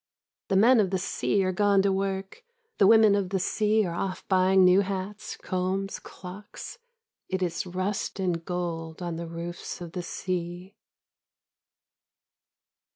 The men of the sea are gone to work; the women of the sea are off buying new hats, combs, clocks; it is rust and gold on the roofs of the sea.